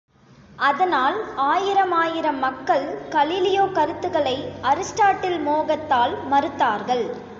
அதனால் ஆயிரமாயிரம் மக்கள் கலீலியோ கருத்துக்களை அரிஸ்டாட்டில் மோகத்தால் மறுத்தார்கள்!